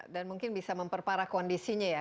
dan mungkin bisa memperparah kondisinya ya